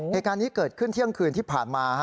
เหตุการณ์นี้เกิดขึ้นเที่ยงคืนที่ผ่านมา